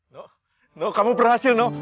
no kamu berhasil no